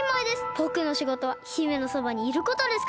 ぼくのしごとは姫のそばにいることですから！